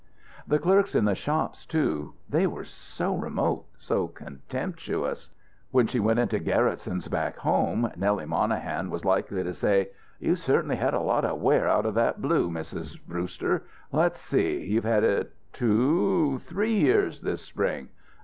The clerks in the shops, too they were so remote, so contemptuous. When she went into Gerretson's, back home Nellie Monahan was likely to say: "You've certainly had a lot of wear out of that blue, Mrs. Brewster. Let's see, you've had it two three years this spring?